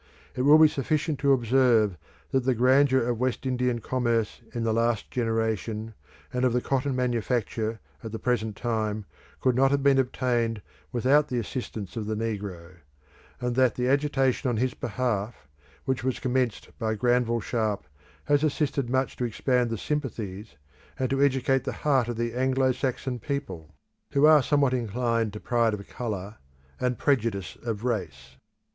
It will be sufficient to observe that the grandeur of West Indian commerce in the last generation, and of the cotton manufacture at the present time, could not have been obtained without the assistance of the negro: and that the agitation on his behalf, which was commenced by Granville Sharp, has assisted much to expand the sympathies, and to educate the heart of the Anglo Saxon people, who are somewhat inclined to pride of colour and prejudice of race.